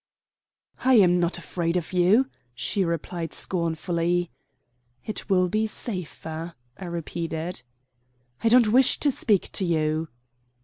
"I am not afraid of you," she replied scornfully. "It will be safer," I repeated. "I don't wish to speak to you."